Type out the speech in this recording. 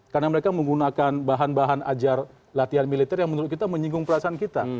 karena mereka menggunakan bahan bahan ajar latihan militer yang menurut kita menyinggung perasaan kita